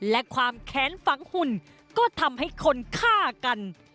และความแค้นฝังหุ่นก็ทำให้คนฆ่ากัน